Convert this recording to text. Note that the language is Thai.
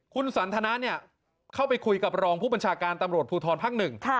คุณสันทนาเนี่ยเข้าไปคุยกับรองผู้บัญชาการตำรวจภูทรภักดิ์หนึ่ง